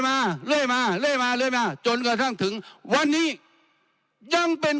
มาเรื่อยมาเรื่อยมาเรื่อยมาจนกระทั่งถึงวันนี้ยังเป็น